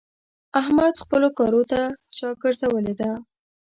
احمد خپلو کارو ته شا ګرځولې ده.